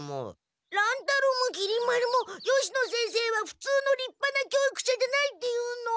乱太郎もきり丸も吉野先生は普通のりっぱな教育者じゃないって言うの？